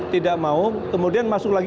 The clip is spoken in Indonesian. tidak mau kemudian masuk lagi